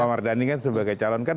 pak mardhani kan sebagai calon kan